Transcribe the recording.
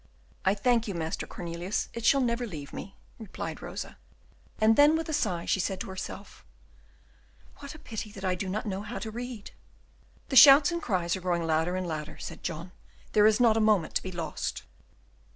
"I thank you, Master Cornelius, it shall never leave me," replied Rosa. And then, with a sigh, she said to herself, "What a pity that I do not know how to read!" "The shouts and cries are growing louder and louder," said John; "there is not a moment to be lost."